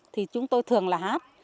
thì chúng tôi thường là hát